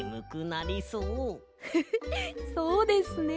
フフッそうですね。